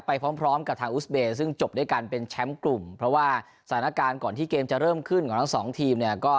พร้อมกับทางอุสเบย์ซึ่งจบด้วยการเป็นแชมป์กลุ่มเพราะว่าสถานการณ์ก่อนที่เกมจะเริ่มขึ้นของทั้งสองทีมเนี่ยก็